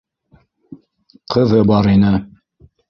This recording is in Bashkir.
Ҡыҙы бар ине...